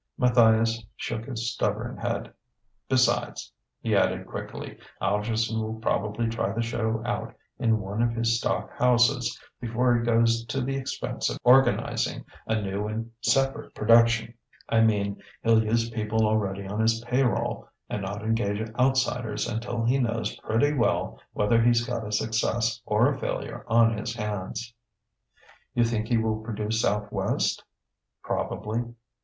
Matthias shook his stubborn head. "Besides," he added quickly, "Algerson will probably try the show out in one of his stock houses before he goes to the expense of organizing a new and separate production. I mean, he'll use people already on his pay roll, and not engage outsiders until he knows pretty well whether he's got a success or a failure on his hands." "You think he will produce out West?" "Probably."